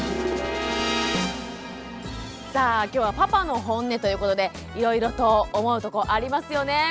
さあ今日は「パパの本音」ということでいろいろと思うとこありますよね